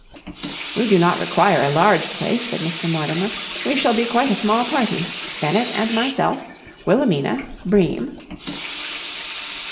"We do not require a large place," said Mr. Mortimer. "We shall be quite a small party. Bennett and myself, Wilhelmina, Bream...."